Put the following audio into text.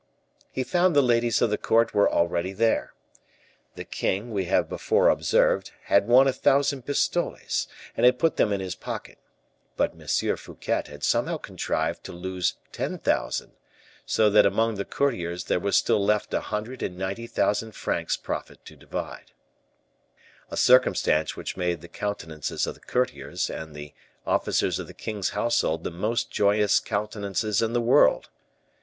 He found the ladies of the court were already there. The king, we have before observed, had won a thousand pistoles, and had put them in his pocket; but M. Fouquet had somehow contrived to lose ten thousand, so that among the courtiers there was still left a hundred and ninety thousand francs' profit to divide, a circumstance which made the countenances of the courtiers and the officers of the king's household the most joyous countenances in the world.